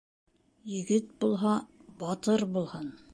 Егет булһа, батыр булһын